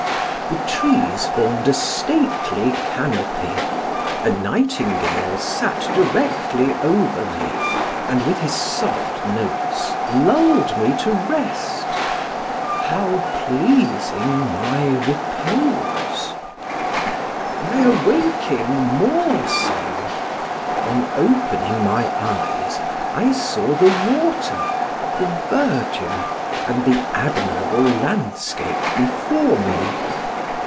the trees formed a stately canopy, a nightingale sat directly over me, and with his soft notes lulled me to rest: how pleasing my repose; my awaking more so. It was broad day; on opening my eyes I saw the water, the verdure, and the admirable landscape before me.